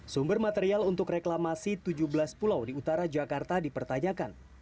sumber material untuk reklamasi tujuh belas pulau di utara jakarta dipertanyakan